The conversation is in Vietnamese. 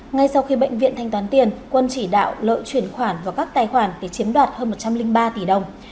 ngay sau khi bệnh viện thanh toán tiền quân chỉ đạo lợi chuyển khoản vào các tài khoản để chiếm đoạt hơn một trăm linh ba tỷ đồng